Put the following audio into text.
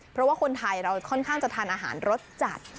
เพราะว่าคนไทยเราค่อนข้างจะทานอาหารรสจัด